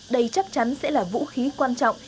đây chắc chắn sẽ là vũ khí quan trọng